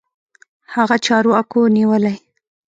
هغه چارواکو نيولى.